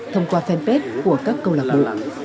thông qua fanpage của các câu lạc bộ